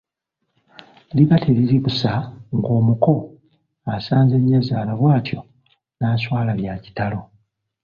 Liba teriri busa ng’omuko asanze Nnyazaala bw’atyo n’aswala bya kitalo.